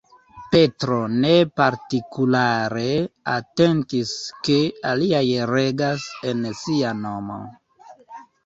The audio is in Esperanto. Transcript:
Petro ne partikulare atentis ke aliaj regas en sia nomo.